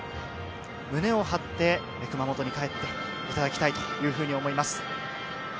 胸を張って熊本に帰っていただきたいというふうに思います。